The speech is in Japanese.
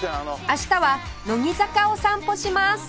明日は乃木坂を散歩します